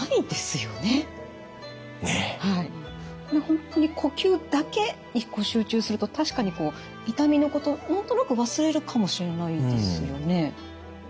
本当に呼吸だけ一個集中すると確かにこう痛みのこと何となく忘れるかもしれないですよね。